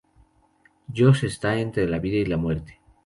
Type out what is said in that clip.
Josh está entre la vida y la muerte.